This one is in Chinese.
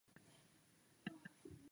由新城娱乐台现场播出。